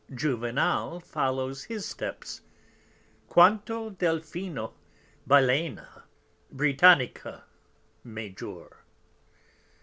_ Juvenal follows his Steps; _Quanto Delphino Balæna Britannica major.